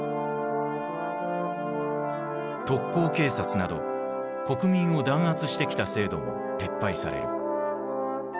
特高警察など国民を弾圧してきた制度も撤廃される。